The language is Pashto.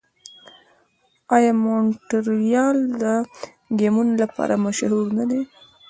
آیا مونټریال د ګیمونو لپاره مشهور نه دی؟